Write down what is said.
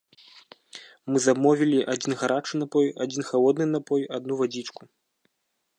Мы замовілі адзін гарачы напой, адзін халодны напой, адну вадзічку.